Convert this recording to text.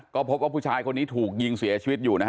ก็พบว่าผู้ชายคนนี้ถูกยิงเสียชีวิตอยู่นะฮะ